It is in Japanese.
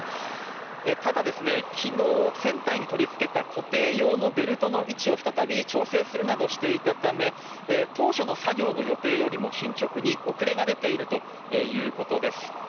ただ、昨日船体に取りつけた固定用のベルトの位置を再び調整するなどしていたため当初の作業の予定よりも進捗に遅れが出ているということです。